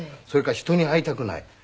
それから人に会いたくない。